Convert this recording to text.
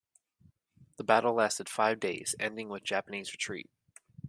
The battle lasted five days, ending with a Japanese retreat.